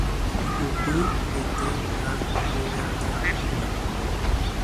Hi'upy hete ha ijojaha'ỹva